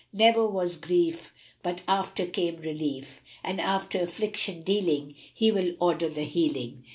Never was grief but after came relief, and after affliction dealing He will order the healing."